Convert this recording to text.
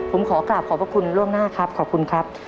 ผมขอกราบขอบพระคุณล่วงหน้าครับขอบคุณครับ